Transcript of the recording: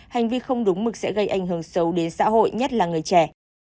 hành vi không đúng mực sẽ gây ảnh hưởng xấu đến xã hội nhất là người trẻ